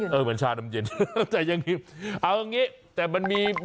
เหมือนชาดำเย็นอยู่เนี่ย